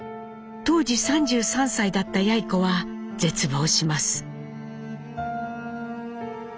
当時３３歳だったやい子は絶望します。